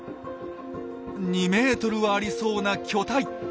２メートルはありそうな巨体。